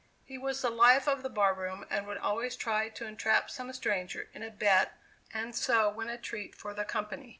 He was the life of the bar room and would always try to entrap some stranger in a bet and so win a treat for the company.